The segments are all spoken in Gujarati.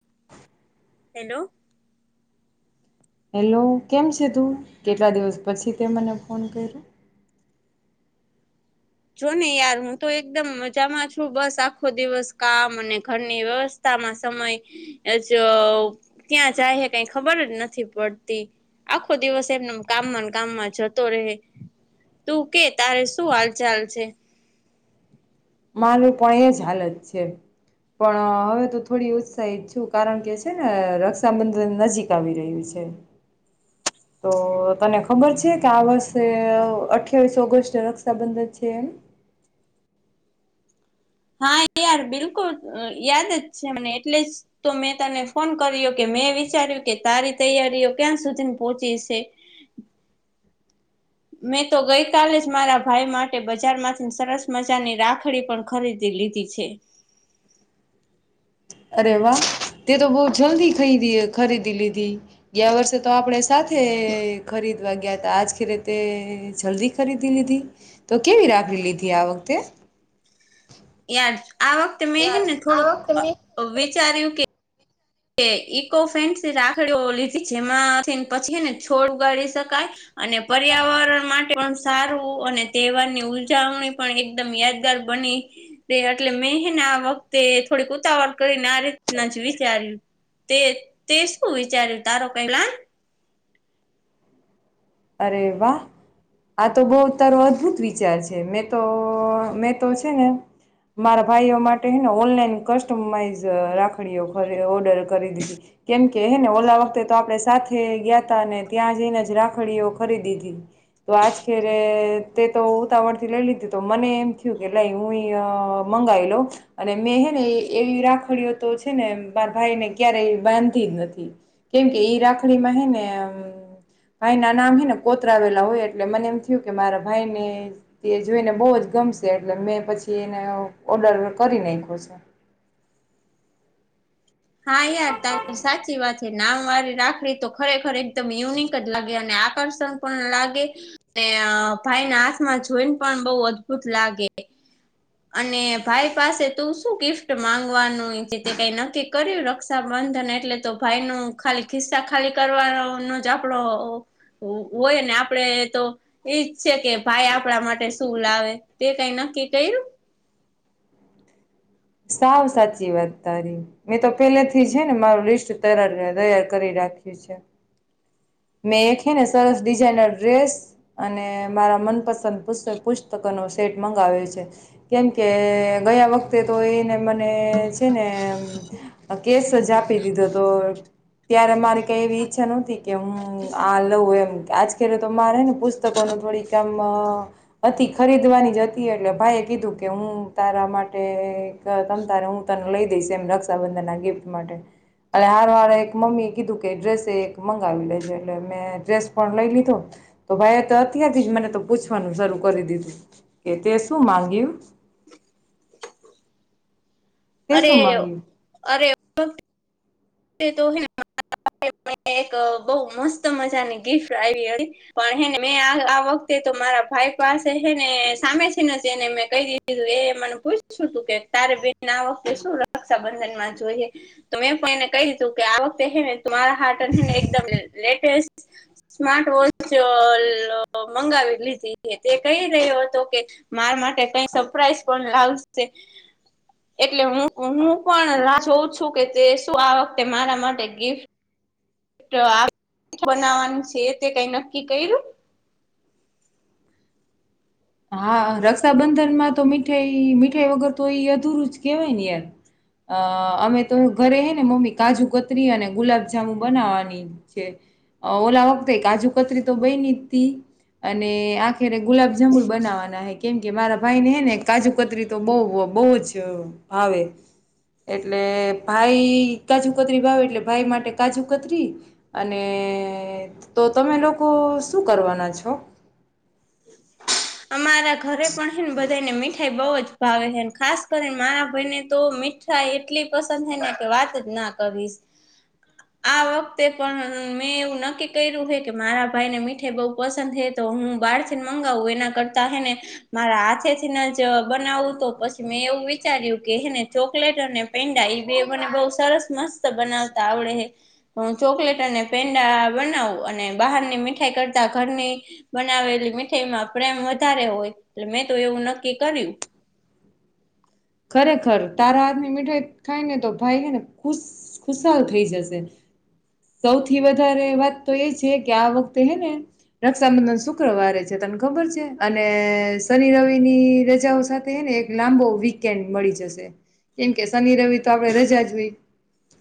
[inaudible] હેલો હેલો કેમ છે તું કેટલા દિવસ પછી તે મને ફોન કર્યો જો ને યાર હું તો એકદમ મજામાં છું બસ આખો દિવસ કામ અને ઘરની વ્યવસ્થા સમય જો ત્યાં જાય કઈ ખબર જ નથી પડતી આખો દિવસ એમને કામમાં કામમાં જતો રહે તું કે તારે શું હાલ ચાલ છે મારું પણ એજ હાલત છે પણ હવે તો થોડી ઉત્સાહિત છું કારણ કે છે ને રક્ષાબંધન નજીક આવી રહ્યું છે [inaudible] તો તને ખબર છે કે આ વર્ષે અઠ્યાવીસ ઓગસ્ટ રક્ષાબંધન છે એમ [inaudible] હા યાર બિલકુલ યાદ જ છે મને એટલે જ તો મેં તને ફોન કર્યો કે મેં વિચાર્યું કે તારી તૈયારીઓ ક્યાં સુધી પહોચી છે મેં તો ગઈ કલે જ મારા ભાઈ માટે બજાર માંથી સરસ મજાની રાખડી પણ ખરીદી લીધી છે અરે વાહ તે તો બહ જલ્દી ખાઈ ખરીદી લીધી ગયા વર્ષે તો આપણેે સાચ ખરીદવા ગયા ત આજ ખેરેતે જલ્દી ખરીદી લીધી તો કેવી રાખે લીધી આ વખતે ય આ વખતે મેં હને થોડુંક વિચાર્યું કે એ ઈકો ફેન્સી રાખડીઓ લીધી જેમાં પછીને છોડ ઉગાડી શકાય અને પર્યાવરણ માટે પણ સારું અને તહેવારની ઉજવણી પણ એકદમ યાદગાર બની તે એટલે મનત વખતે થોડીકુું આવડ કરીને આ રીતના જ વિચાર્યું તે તે શું વિચાર્યું તારો કઈલા અરે વાહ આ તો બહ તારો અદ્ભુત વિચાર છે મેં તો મેં તો છે ને મારા ભાઈઓ માટે ને ઓનલાઈન કસ્ટમાઈઝ રાખડીઓરી ઓર્ડર કરી દીધી કેમકે હે ને ઓલા વખતે તો આપણે સાથે ગયા તા અને ત્યાં જઈને રાખ ડી ખરીદી દિધી તો આજખેરે તે તો ઉતાવળ થી લઈ લીધું તો મને એમ થ્યું કે લાય હું ય મંગાવી લવ અને મેં હેને એવી રાખડીઓ તો છે ને માર ભાઈને ક્યારેય બાંધી નથી કેમકે ઈ રાખડી માં હે ને [inaudible] ભાઈ ના નામ હે ને કોતરાવેલા હોય એટલે મને એમ થયું કે મારા ભાઈ ને તે જોઈને બહુ જ ગમ શે એટલે મેં પછી એને ઓર્ડર કરી નાખ્યો છે. [inaudible] હા યાર તારી સાચી વાત નામ વારી રાખડી તો ખરેખર એકદમ યુનિક જ લાગે અને આકર્ષણ પણ લાગે ભાઈને હાથમાં જોઈને પણ બઉ અદભુત લાગે. અને ભાઈ પાસે તું શું ગિફ્ટ માંગવાનું જે તે કઈ નક્કી કર્યું રક્ષાબંધન એટલે તો ભાઈ નું ખાલી ખિસ્સા ખાલી કરવાનો જ આપડો હોય ને આપડે તો એજ છે કે ભાઈ આપણા માટે શું લાવે તે કઈ ન નક્કી કર્યું? સાવ સાચી વાત તારી મેં તો પેલે થી હે ને મારું લિસ્ટ તૈયાર કરી રાખી છે. મેં એક હે ને સરસ ડિઝાઇનર ડ્રેસ અને મારા મનપસંદ [unintelligible] પુસ્તકો સેટ મંગાવે છે કેમ કે ગયા વખતે તો એને મને છે ને કેસ જ આપી દીધો તો ત્યારે મારી કઈ એવી ઈચ્છા નહતી કે હું આ લઉં એમ આજ કે તો મારે ને પુસ્તકો ન થોડીક કામ હતી ખરીદવાની જ હતી એટલે ભાઈ કીધું કે હું તારા માટે તમ તારે હું તને લઈ દઈશ એમ રક્ષાબંધન ના ગિફ્ટ માટે અને હારો હારે એક મમ્મી એ કીધું કે ડ્રેસે એ એક મંગાવી લેજે એટલે મેં ડ્રેસ પણ લઈ લીધો તો ભાઈ તો અત્યારથી જ મને તો પૂછવાનું શરૂ કરી દીધું. તે શું માગ્યું? [inaudible] તે શું અરે માંગ્યું અરે [unintelligible] [unintelligible] એક બહ મસ્ત મજાની ગિફ્ટ આવી હતી પણને હે ને આ વખતે તો મારા ભાઈ પાસે હે ને સામે છે ને જે એને મેં કહી દીધી તું એ મને પૂછું તું કે તારે બેન આ વખતે શું રક્ષાબંધન માં જોઈએ તો મે પણ એને કઈ દીધું કે આ વખતે હે ને મારા હાતર હે ને એકદમ લેટેસ્ટ સ્માર્ટ વોચ [unintelligible] મંગાવી લીધી તે કહી રહ્યો હતો કે મારા માટે કઈ સરપ્રાઈઝ પણ લાવશે એટલે હું હું પણ રાહ જોઉં છું કે તે શું આ વખતે મારા માટે ગિફ્ટ આ [unintelligible] બનાવાનું છે તે કઈ નક્કી કર્યું? [inaudible] હા રક્ષાબંધનમાં તો મીઠાઈ મીઠાઈ વગર તો એ અધુરું જ કેહેવાય ને યાર અ અમે તો ઘરે હે ને મમ્મી કાજુ કતરી અને ગુલાબજામુ બનાવાની છે. ઓલા વખતે કાજુ કતરી તો બયનીતી અને આખેરે ગુલાબજાંબુ બનાવાના હે કેમ કે મારા ભાઈને હે ને કાજુ કતરી તો બોવ બોવ જ ભાવે. એટલે ભાઈ કાજુ કતરી ભાવે એટલે ભાઈ માટે કાજુ કતરી અને એ તો તમે લોકો શું કરવાના છો? અમારા ઘરે પણ હે ને બ બધાય ને મીઠાઈ બહુ જ ભાવે હે ન ખાસ કરીને મારા ભાઈને તો મીઠાઈ એટલી પસંદ હે ને વાત જ ના કરીશ. આ વખતે પણ મેં એવું નક્કી કર્યું હે કે મારા ભાઈને મીઠાઈ બઉુ પસંદ હે તો હું બાર થી મગાવું એના કરતા હે ને મારા હાથેથીન જ બનાવું તો પછી મેં એવું વિચાર્યું કે હે ને ચોકલેટ અને પેંડા એ બે મને બોવ સરસ મસ્ત બનાવતા આવડે હે. હું ચોકલેટ અને પેંડા બનાવું અને બહારની મીઠાઈ કરતા ઘરની, બનાવેલી એમાં પ્રેમ વધારે હોય એટલે મેં તો એવું નક્કી કર્યું. ખરેખર તારા હાથની મીઠાઈ ખાય ને તો ભાઈ હેને ખુશ ખુશાલ થઈ જશે. સૌથી વધારે વાત તો એ છે કે આ વખતે હે ને, રક્ષાબંધન શુક્રવારે છે. ખબર છે અને શનિ રવિ ની રજાઓ સાથેને એક લાંબો વ કે મળી જશે, કેમ કે શનિ રવિ તો આપણેે રજા જોવી.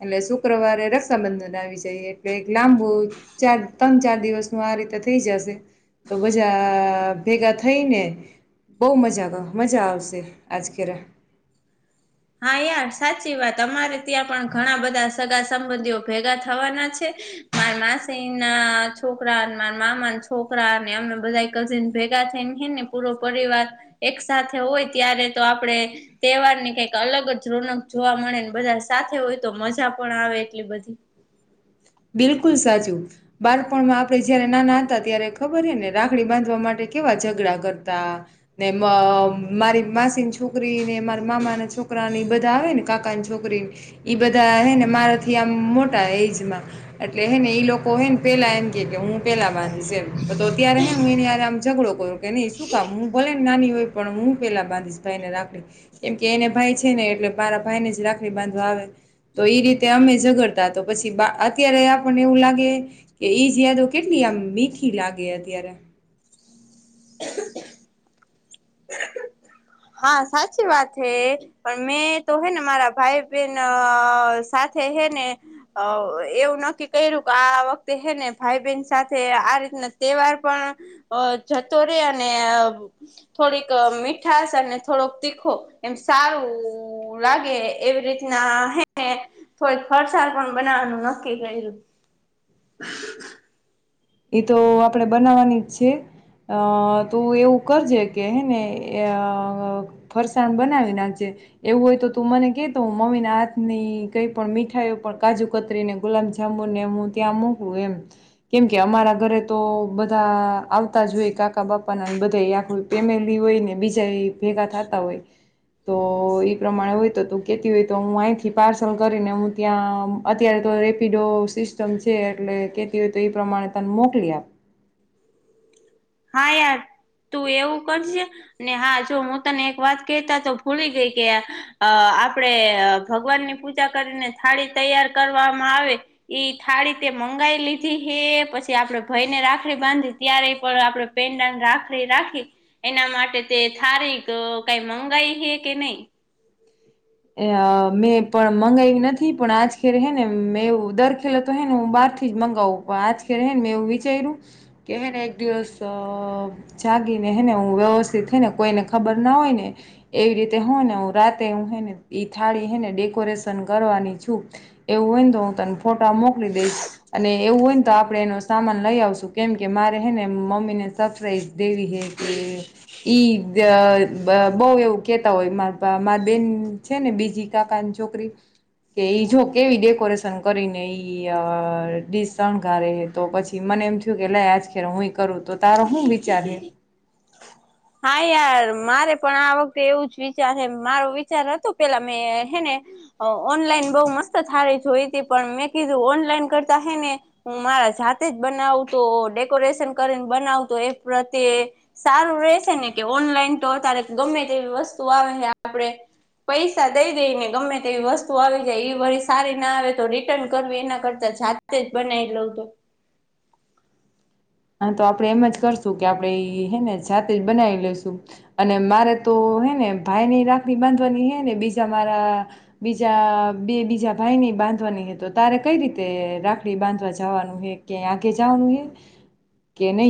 એટલે શુક્રવારે રક્ષાબંધન આવી જાય એટલે લાંબુ ત્રણ ચાર દિવસનું રીતે થઈ જશે, તો બજા ભેગા થઈને. બહ મજા ક મજા આવશે આજ ખ્યારે. હા યાર સાચી વાત અમારે ત્યાં પણ ઘણા બધા સગા સંબંધીઓ ભેગા થવાના છે. મારી માસી ના છોકરા મારા મામા ના છોકરા અને એમને બધા કઝિન ભેગા થને ને પૂરો પરિવાર, એક સાથે હોય ત્યારે તો આપણે, તહેવારને કક અલગ જ રોનક જોવા મળેને બધા સાથે હોય તો મજા પણ આવે એટલી બધી. બિલકુલ સાચું, બાળપણમાં આપણે જયારે નાના હતા ત્યારે ખબર હ ને રાખડી બાંધવા માટે કેવા ઝઘડા કરતા, ને મારી માસીની છોકરી ને મારા મામા ના છોકરી છોકરાને એ બધા આવે ને કાકાની છોકરીને, એ બધા હેને મારાથી આમ મોટા એજમાં. એટલે હે ને એઈ લોકો હે ને પેલા એમ કે હું પેહલા બાંધીશ એ તો ત્યારે હે ને હું એને આરામ ઝઘડો કર્યો કે નહી શું કામ હું ભલે ને નાની હોય પણ હું પેલા બાંધીશ ભાઈને રાખડી. કેમ કે એને ભાઈ છે ને એટલે મારા ભાઈ ને જ રાખડી બાંધવા આવે. તો એ રીતે અમે ઝઘડતા તો પછી બા અત્યારે આપને એવું લાગે, કે ઈ જ યાદો કેટલી આમ મીઠી લાગે અત્યારે. હા સાચી વાત હે, પણ મેં તો હે ને મારા ભાઈ બહેન સાથે હેને, એવું નક્કી કર્યું કે આ વખતે હેને ભાઈ બહેન સાથે આ રીત તહેવાર પણ, જતો રે અને થોડીક મીઠાશ ને થોડોક તીખો એમ સારું લાગે એવી રીતના હેને. થોડીક ફરસાડ પણ બનાવવાનું નક્કી કર્યું. એ તો આપણેે બનાવાની જ છે. અ તું એવું કરજે કે હેને ફરસાણ બનાવી નાખજે. એવું હોય તો તું મને કેતો મમી ના હાથની કઈ પણ મીઠાઈ પણ કાજુ કતરી ને ગુલાબ જાંબુને ત્યાં મોકલું એમ, કેમ કે અમારા ઘરે તો બધા આ તા જોય કાકા બાપા ના બધા આખું ફેમિલી હોય ને બીજા એ ભેગા થતા હોય. તો એઈ પ્રમાણે હોય તો તું કેતી હોય તો હું અહીંથી પાર્સલ કરીને હું ત્યાં અત્યારે તો રેપિડો સિસ્ટમ છે એટલે કેતી હોય તો એ પ્રમાણે તને મોકલી આપ. હા યાર. તું એવું કરજે, ને હા જો હું તને એક વાત કેતા તો ભૂલી ગઈ કે, આ આપડે ભગવાન ની પૂજા કરીને થાળી તૈયાર કરવામાં આવે, ઈ થાળી તે મંગાવી લીધી હે પછી આપડે ભય ને રાખડી બાંધી ત્યારે પણ આપડ પેનડા રાખડી રાખી, એના માટે તે થારીખ કઈ મંગાઈ હે. કે નહી. એ મેં પણ મંગાવ નથી પણ આજ ખેરે હે ને મે એવ દરખેલો તો હે ને હું બ થી જ મંગાવું પણ આજ મેં એવું વિચાર્યું, કે હે એક દિવસ અ જાગ થીને હું વ્યવસ્થિત થઈ ને કોઈને ખબર ના હોય ને, એવી રીતે હોય ને હું રાતે હુ હેને ઈ થાળી હેને ડેકોરેશન કરવાની છું, એવું હોયને તો હું તને ફોટા મોકલી દઈશ. અને એવું હોય ને તો આપડે એનો સામાન લઇ આવશું કેમ કે મારે હે ને મમ્મી ને સરપ્રાઈઝ દેવી હે. કે, ઈ બહુ એવું કેતા હોય માર માર બેન છે ને બીજી કાકાની છોકરી. કે ઈ જો કેવી ડેકોરેશન કરીને ઈ ડીશ શણગારે તો પછી મ એમ થયું કે લય આજ ખેર હું કરું તો તારો શું વિચાર હે. [inaudible] હા યાર મારે પણ આ વખતે એવું જ વિચાર હે મારો વિચાર હતો પેલા મેં હે ને. અ ઓનલાઈન બઉ મસ્ત હારી જોઈતી પણ મેં કીધું ઓનલાઈન કરતા હે ને હું મારા જાતે જ બનાવુ તો ડેકોરેશન કરીને બનાવ તો એ પ્રત્યે સારું રેશે. ને કે ઓનલાઈન તો અત્યારે ગમે તેવી વસ્તુ આવે ને આપડે પૈસા દઈ દે ને ગમે તેવી વસ્તુ આવી જાય એ વરી સારી ના આવે તો રિટર્ન કરવી એના કરતા જાતે જ બનાવી લઉ તો હા તો આપડે એમ જ કરશું કે આપણેે હેને જાતે જ બનાવી લેશું અને મારે તો હે ને ભાઈ ની રાખડી બાંધવાની હે ને બીજા મારા બીજા બે બીજા ભાઈ ની બાંધવાની હે તો તારે કઈ રીતે રાખડી બાંધવા જવાનું હે કે આગે જવાનું હે. કે નય.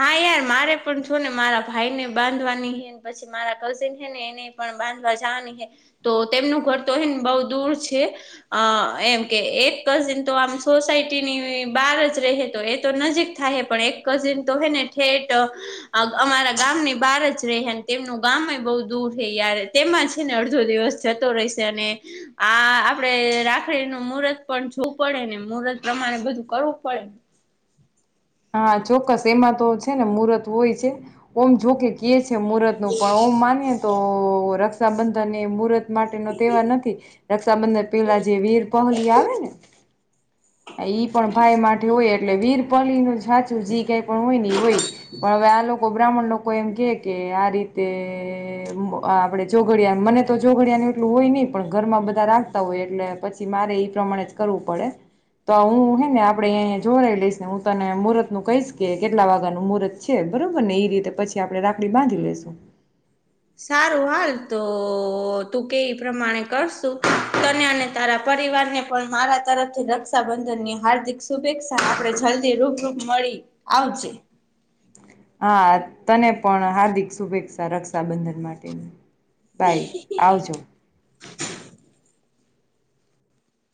હા એ મારે પણ જોને મારા ભાઈ ને બાંધવાની હે પછી મારા કઝિન હે ને એને પણ બાંધવા જવા જવાની હે તો તેમનું ઘર તો એ બહુ દૂર છે એમ કે એક કઝીન તો આમ સોસાયટી ની બહાર જ રહે તો એ તો નજીક થાય પણ એક કઝિન તો હેને ઠેટ અમારા ગામની બાર જ રેહે તેમનું ગામ એ બો દૂર હે તેમાં છે ને અડધો દિવસ જતો રહેશે અને આ આપડે રાખડી નું મુહૂર્ત પણ જોવું પડે ને મુહૂર્ત પ્રમાણે બધું કરવું પડેને હા ચોક્કસ એમાં તો છે ને મુહર્ત હોય છે ઓમ જોકે કીએ છે. મુરત નું પણ ઓમ માનયે તો રક્ષાબંધન એ મુરત માટે નો તહેવાર નથી રક્ષાબંધન પેલા જે વીર પહલી આવે ને ઈ પણ ભાઈ માટે હોય એટલે વીરપલી નું સાચું જે કઈ પણ હોય ને એ હોય પણ હવે આ લોકો બ્રાહ્મણ લોકો એમ કે કે આ રીતે આપડે ચોઘડિયા મને તો ચોઘડિયા ની પેલુ હોય ની પણ ઘરમાં બધા રાખતા હોય એટલે પછી મારે ઈ પ્રમાણે જ કરવું પડે. તો હું હે ને આપડેયા જોરાઈ લઈશ ને હું તને મુહૂર્ત નું કહીશ કે કેટલા વાગ્યાનું મુહર્ત છે બરો બરોબર ને ઈ રીતે પછી આપડે રાખડી બાંધી લેશું. [inaudible] સારું હાલ તો તું કેઈ એ પ્રમાણે કરશુ તને અને તારા પ પરિવાર ને પણ મારા તરફથી રક્ષાબંધન ની હાર્દિક શુભેચ્છા આપણે જલ્દી રૂબરૂ મળ આવજે. હા તને પણ હાર્દિક શુભેચ્છા રક્ષાબંધન માટેની. બાઈ આવજો.